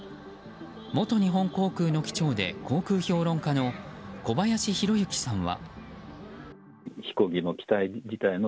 元日本航空の機長で航空評論家の小林宏之さんは。